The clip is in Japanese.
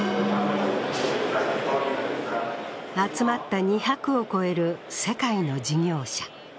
集まった２００を超える世界の事業者。